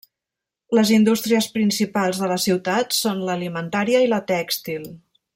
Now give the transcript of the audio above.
Les indústries principals de la ciutat són l'alimentària i la tèxtil.